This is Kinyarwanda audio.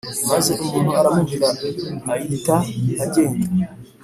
Maze umuntu aramubwira aita ajyenda